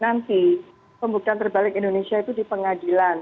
nanti pembuktian terbalik indonesia itu di pengadilan